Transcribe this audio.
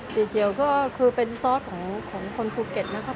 เจียวก็คือเป็นซอสของคนภูเก็ตนะครับ